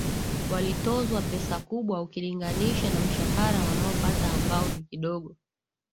walitozwa pesa kubwa ukilinganisha na mshahara wanaopata ambao ni kidogo